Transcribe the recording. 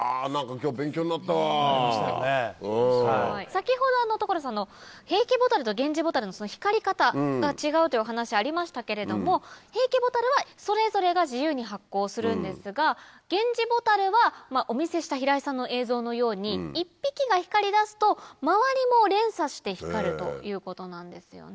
先ほど所さんの。というお話ありましたけれどもヘイケボタルはそれぞれが自由に発光するんですがゲンジボタルはお見せした平井さんの映像のように１匹が光りだすと周りも連鎖して光るということなんですよね。